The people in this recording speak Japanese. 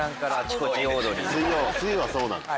水曜はそうなんですよ。